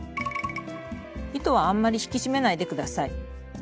糸はあんまり引き締めないで下さい。